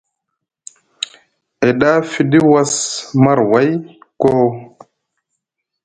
Eda fiɗi was marway koo.